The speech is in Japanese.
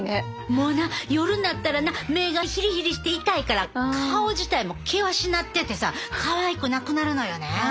もうな夜になったらな目がヒリヒリして痛いから顔自体も険しなっててさかわいくなくなるのよね。